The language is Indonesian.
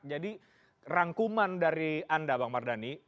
jadi rangkuman dari anda bang mardani